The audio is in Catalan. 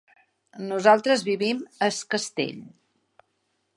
Nosaltres vivim a Es Castell.